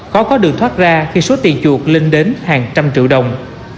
khó có đường thoát ra khi số tiền chuột lên đến hàng trăm triệu đồng